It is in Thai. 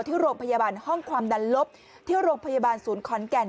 ที่โรงพยาบาลห้องความดันลบที่โรงพยาบาลศูนย์ขอนแก่น